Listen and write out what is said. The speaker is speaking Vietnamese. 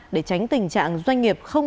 để tránh tình trạng doanh nghiệp không